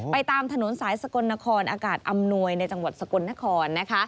ตามถนนสายสกลนครอากาศอำนวยในจังหวัดสกลนคร